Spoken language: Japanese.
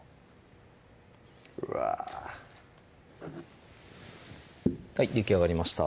うわはいできあがりました